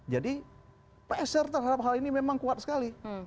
jadi pressure terhadap hal ini memang kuat sekali